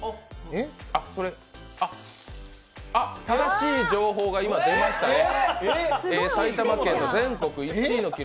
正しい情報が今、出ましたね